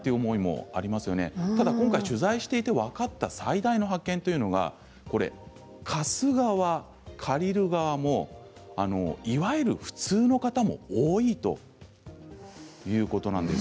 ただ今回取材してみて分かった最大の発見というのは貸す側、借りる側もいわゆる普通の方も多いということなんです。